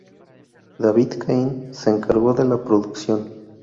David Kahne se encargó de la producción.